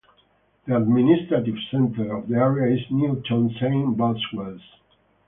The administrative centre of the area is Newtown Saint Boswells.